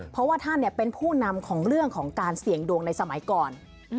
เพราะว่าท่านเป็นผู้นำของเรื่องของการเสี่ยงดวงในสมัยก่อน